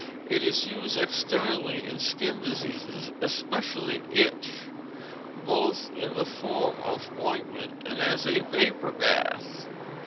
It is used externally in skin diseases, especially itch, both in the form of ointment and as a vapour bath.